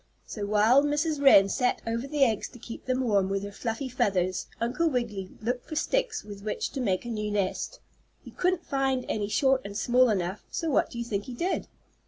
So while Mrs. Wren sat over the eggs to keep them warm with her fluffy feathers, Uncle Wiggily looked for sticks with which to make a new nest. He couldn't find any short and small enough, so what do you think he did?